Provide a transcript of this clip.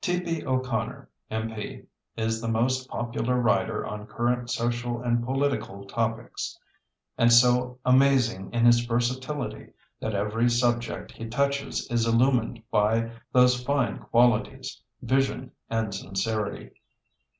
T.P. O'Connor, M.P., is the most popular writer on current social and political topics, and so amazing is his versatility that every subject he touches is illumined by those fine qualities, vision and sincerity.